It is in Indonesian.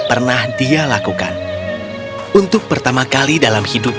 kadang kalian bisa mencoba untuk memotong ruang ini lebih large